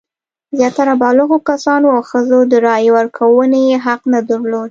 زیاتره بالغو کسانو او ښځو د رایې ورکونې حق نه درلود.